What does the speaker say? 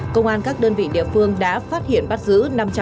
công an các đơn vị địa phương đã phát hiện bắt giữ năm trăm sáu mươi